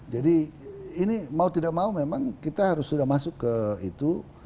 jadi ini mau tidak mau memang kita harus sudah masuk ke itu